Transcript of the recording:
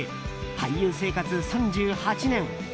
俳優生活３８年。